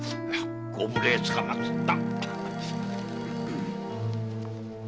ご無礼つかまつった。